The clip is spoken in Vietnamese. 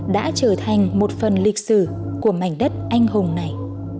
đã trở thành một phần lịch sử của mảnh đất anh hùng này